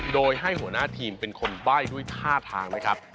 โดยให้หัวหน้าทีมเป็นคนใบ้ด้วยท่าทางนะครับ